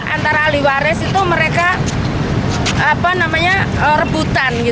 antara ahli waris itu mereka rebutan